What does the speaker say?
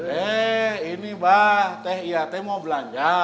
eh ini mbah t iya t mau belanja